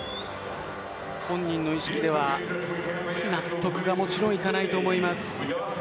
本人の意識では納得がもちろんいかないと思います。